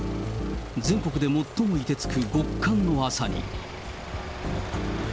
全国で最もいてつく極寒の朝に。